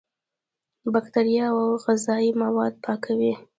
بکتریا او غذایي مواد پاکوي.